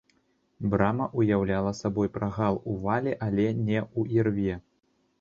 Брама уяўляла сабой прагал у вале, але не ў ірве.